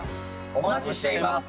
お待ちしています！